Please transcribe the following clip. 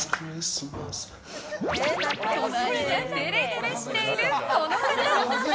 隣でデレデレしている、この方。